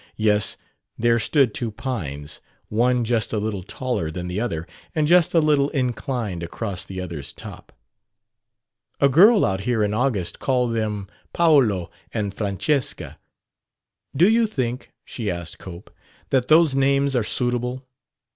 Yes, there stood two pines, one just a little taller than the other, and just a little inclined across the other's top. "A girl out here in August called them Paolo and Francesca. Do you think," she asked Cope, "that those names are suitable?"